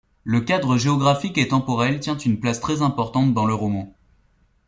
Le cadre géographique et temporel tient une place très importante dans le roman.